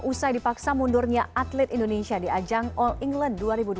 usai dipaksa mundurnya atlet indonesia di ajang all england dua ribu dua puluh